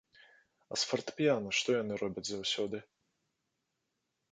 А з фартэпіяна што яны робяць заўсёды?